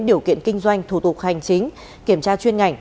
điều kiện kinh doanh thủ tục hành chính kiểm tra chuyên ngành